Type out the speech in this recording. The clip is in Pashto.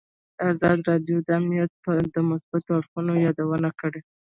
ازادي راډیو د امنیت د مثبتو اړخونو یادونه کړې.